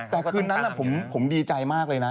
แต่คืนนั้นผมดีใจมากเลยนะ